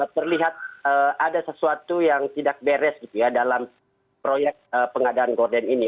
terlihat ada sesuatu yang tidak beres gitu ya dalam proyek pengadaan gorden ini